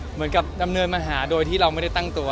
เหมือนกับดำเนินมาหาโดยที่เราไม่ได้ตั้งตัว